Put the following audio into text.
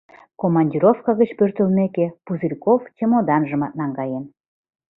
Командировка гыч пӧртылмеке, Пузырьков чемоданжымат наҥгаен.